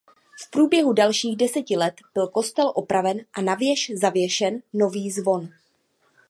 V průběhu dalších deseti let byl kostel opraven a na věž zavěšen nový zvon.